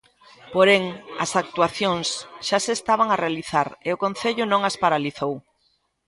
Porén, as actuacións xa se estaban a realizar e o Concello non as paralizou.